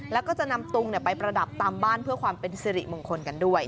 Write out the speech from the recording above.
แล้วก็จะนำตุงไปประดับตามบ้านเพื่อความเป็นสิริมงคลกันด้วย